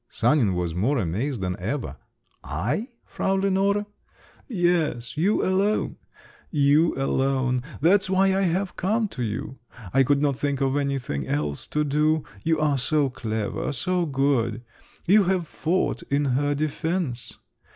Sanin was more amazed than ever. "I, Frau Lenore?" "Yes, you alone … you alone. That's why I have come to you; I could not think of anything else to do! You are so clever, so good! You have fought in her defence.